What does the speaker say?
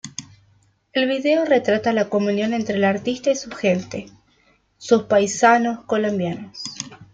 El video retrata la comunión entre el artista y su gente, sus paisanos colombianos.